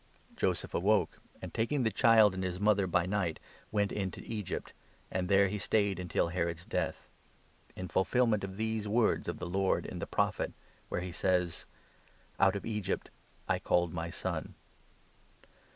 Joseph awoke, and, taking the child and his mother by 14 night, went into Egypt, and there he stayed until Herod's 15 death ; in fulfilment of these words of the Lord in the Prophet, where he says —' Out of Egypt I called my Son.'